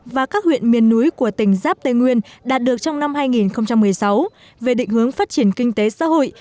và các huyện miền núi của tỉnh giáp tây nguyên đạt được trong năm hai nghìn một mươi sáu về định hướng phát triển kinh tế xã hội